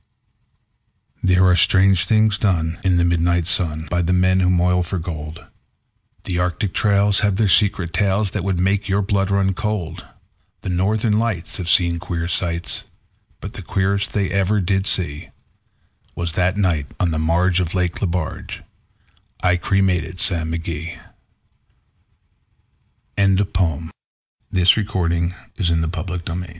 There are strange things done in the midnight sun By the men who moil for gold; The Arctic trails have their secret tales That would make your blood run cold; The Northern Lights have seen queer sights, But the queerest they ever did see Was that night on the marge of Lake Lebarge I cremated Sam McGee. My Madonna I haled me a woman from the street, Shameless, but, oh, so fair! I bad